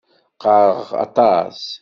Qqareɣ aṭas.